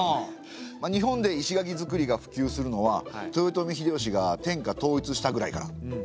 日本で石垣づくりがふきゅうするのは豊臣秀吉が天下統一したぐらいから。